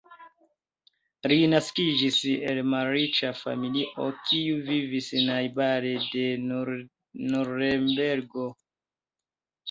Li naskiĝis el malriĉa familio kiu vivis najbare de Nurenbergo.